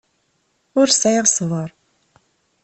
Ur sɛiɣ ṣṣber.